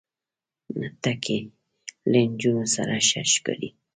نتکۍ له نجونو سره ښه ښکاری.